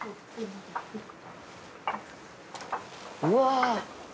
うわ。